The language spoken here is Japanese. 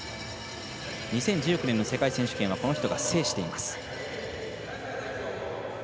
２０１９年の世界選手権はこの人が制しています。